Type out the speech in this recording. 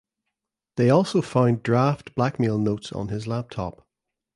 They also found draft blackmail notes on his laptop.